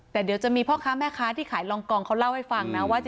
แต่เดี๋ยวจะมีพ่อค้าแม่ค้าที่ขายรองกองเขาเล่าให้ฟังนะว่า